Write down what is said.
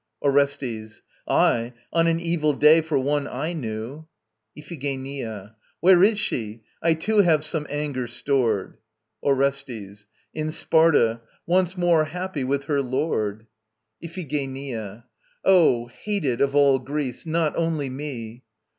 ORESTES. Aye; on an evil day for one I knew. IPHIGENIA. Where is she? I too have some anger stored ... ORESTES. In Sparta! Once more happy with her lord! IPHIGENIA. Oh. hated of all Greece, not only me!